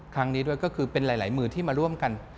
ครั้งนี้ด้วยก็คือเป็นหลายมือที่มาร่วมกัน